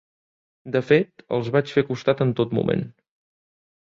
De fet, els vaig fer costat en tot moment.